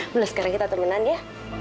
belas karya kita temenan ya